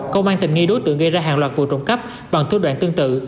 công an tình nghi đối tượng gây ra hàng loạt vụ trộm cắp bằng thư đoạn tương tự